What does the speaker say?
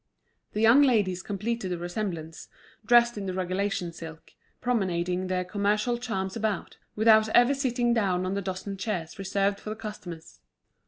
The young ladies completed the resemblance, dressed in the regulation silk, promenading their commercial charms about, without ever sitting down on the dozen chairs reserved for the customers.